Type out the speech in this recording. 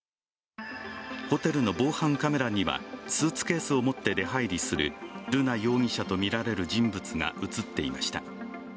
ホテルの防犯カメラには、スーツケースを持って出はいりする瑠奈容疑者とみられる人物が映っていました。